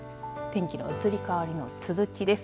天気の移り変わりの続きです。